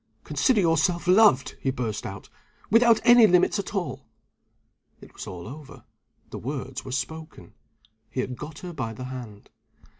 "Consider yourself loved," he burst out, "without any limits at all." It was all over the words were spoken he had got her by the hand.